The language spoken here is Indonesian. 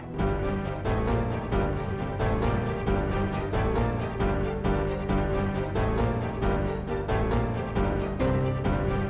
kamu lihat mama paham ya